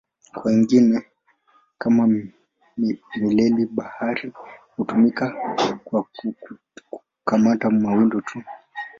Kwa wengine, kama mileli-bahari, hutumika kwa kukamata mawindo tu.